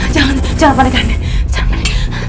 jangan jangan jangan